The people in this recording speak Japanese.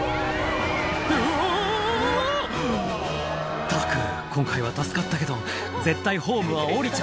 ったく今回は助かったけど絶対ホームは下りちゃ